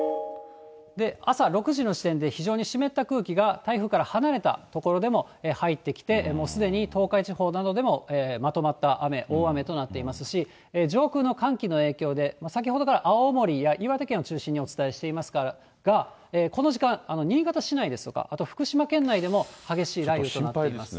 朝６時の時点で、非常に湿った空気が台風から離れた所でも入ってきて、もうすでに東海地方などでもまとまった雨、大雨となっていますし、上空の寒気の影響で、先ほどから青森や岩手県を中心にお伝えしていますが、この時間、新潟市内ですとか、あと福島県内でも激しい雷雨となっています。